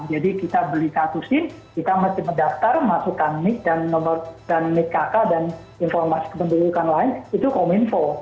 jadi kita beli statusin kita mesti mendaftar masukkan nick dan nomor dan nick kakak dan informasi kependudukan lain itu kominfo